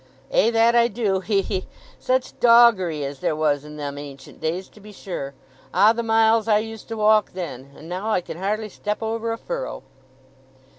"Ay—that I do—hee hee, such doggery as there was in them ancient days, to be sure! Ah, the miles I used to walk then; and now I can hardly step over a furrow!"